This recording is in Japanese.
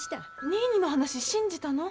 ニーニーの話信じたの？